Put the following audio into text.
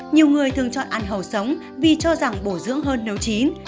nhiều người thường chọn ăn hầu sống vì cho rằng bổ dưỡng hơn nấu chín